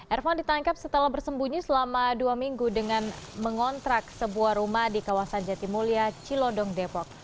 ervan ditangkap setelah bersembunyi selama dua minggu dengan mengontrak sebuah rumah di kawasan jatimulya cilodong depok